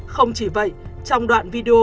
không chỉ vậy trong đoạn video